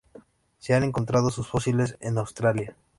Se han encontrado sus fósiles en Australia.